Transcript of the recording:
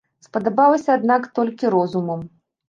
Спадабалася аднак толькі розумам.